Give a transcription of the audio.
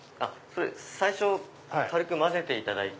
最初軽く混ぜていただいて。